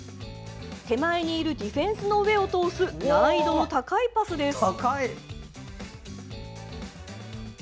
手前にいるディフェンスの上を通す難易度の高いパスです。